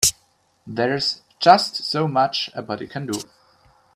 There's just so much a body can do.